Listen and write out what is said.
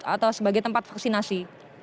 atau sebagai tempat vaksinasi